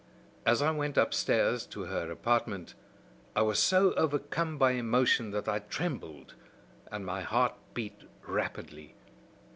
As I went upstairs to her apartment, I was so overcome by emotion that I trembled, and my heart beat rapidly.